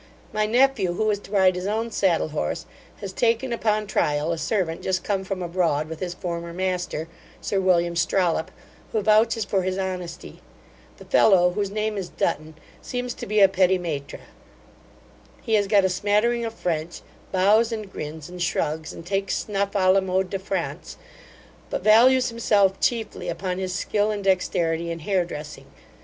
My nephew, who is to ride his own saddle horse, has taken, upon trial, a servant just come from abroad with his former master, Sir William Strollop, who vouches for his honesty. The fellow, whose name is Dutton, seems to be a petit maitre. He has got a smattering of French, bows, and grins, and shrugs, and takes snuff a la mode de France, but values himself chiefly upon his skill and dexterity in hair dressing.